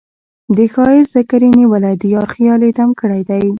د ښــــــــایست ذکر یې نیولی د یار خیال یې دم ګړی دی